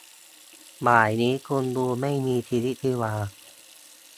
บ่ายนี้คุณดูไม่มีชีวิตชีวา